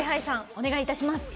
お願いいたします。